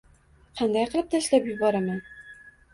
“Qanday qilib tashlab yuboraman?